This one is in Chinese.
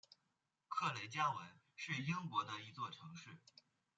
克雷加文是英国的一座城市。